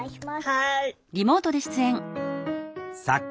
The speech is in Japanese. はい。